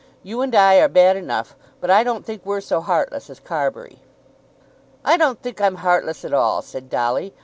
You and I are bad enough, but I don't think we're so heartless as Carbury." "I don't think I'm heartless at all," said Dolly.